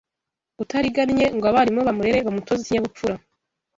utarigannye ngo abarimu bamurere bamutoza ikinyabupfura